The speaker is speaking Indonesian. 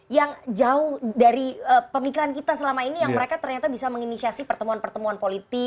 yang jauh dari pemikiran kita selama ini yang mereka ternyata bisa menginisiasi pertemuan pertemuan politik